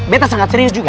betta sangat serius juga